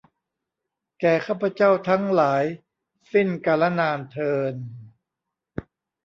แก่ข้าพเจ้าทั้งหลาย สิ้นกาลนานเทอญ